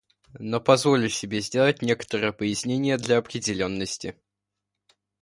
Но позволю себе сделать некоторое пояснение для определенности.